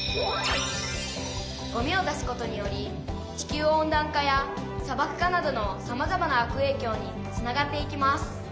「ゴミを出すことにより地球温暖化やさばく化などのさまざまな悪影響につながっていきます」。